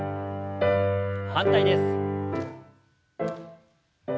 反対です。